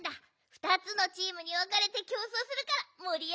ふたつのチームにわかれてきょうそうするからもりあがるよ！